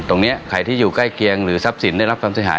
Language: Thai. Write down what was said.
ตรงนี้ใครที่อยู่ใกล้เคียงหรือทรัพย์สินได้รับความเสียหาย